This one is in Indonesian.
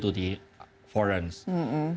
kita mulai tahun dua ribu dua belas